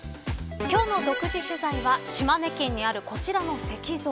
今日の独自取材は島根県にあるこちらの石像。